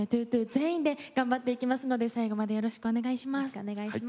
’２２全員で頑張っていきますので最後までよろしくお願いします。